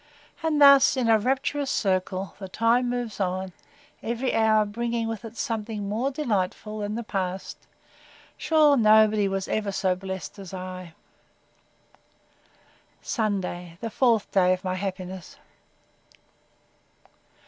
And thus, in a rapturous circle, the time moves on; every hour bringing with it something more delightful than the past!—Sure nobody was ever so blest as I! Sunday, the fourth day of my happiness.